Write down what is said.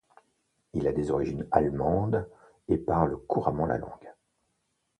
Il a des origines allemandes et parle couramment la langue.